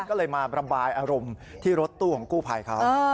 ก็เลยมาระบายอารมณ์ที่รถตู้ของกู้ภัยเขา